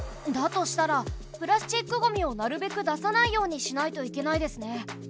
だとしたらプラスチックゴミをなるべく出さないようにしないといけないですね。